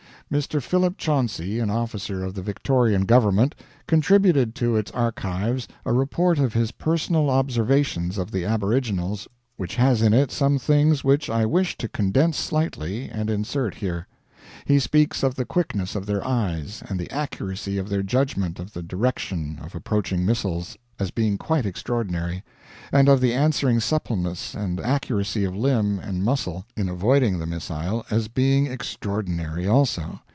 Mr. Philip Chauncy, an officer of the Victorian Government, contributed to its archives a report of his personal observations of the aboriginals which has in it some things which I wish to condense slightly and insert here. He speaks of the quickness of their eyes and the accuracy of their judgment of the direction of approaching missiles as being quite extraordinary, and of the answering suppleness and accuracy of limb and muscle in avoiding the missile as being extraordinary also.